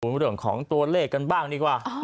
เรื่องของตัวเลขกันบ้างดีกว่า